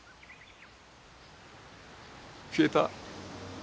消えた。